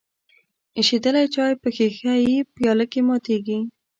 ایشیدلی چای په ښیښه یي پیاله کې ماتیږي.